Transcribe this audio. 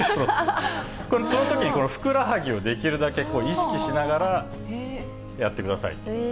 座るときにふくらはぎをできるだけ意識しながらやってください。